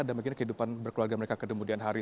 dan mungkin kehidupan berkeluarga mereka kemudian hari